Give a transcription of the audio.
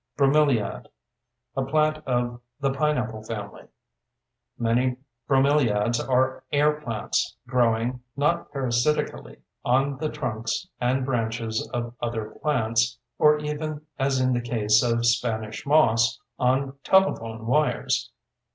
BROMELIAD: A plant of the pineapple family. Many bromeliads are air plants, growing (not parasitically) on the trunks and branches of other plants, or even, as in the case of "Spanish moss," on telephone wires.